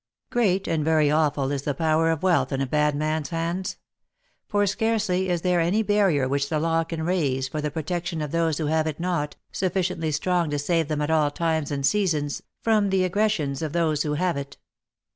Great, and very awful is the power of wealth in a bad man's hands ; for scarcely is there any barrier which the law can raise for the protec tion of those who have it not, sufficiently strong to save them at all times and seasons, from the aggressions of those who have it.